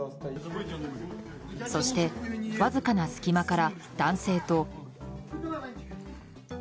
そして、わずかな隙間から男性と。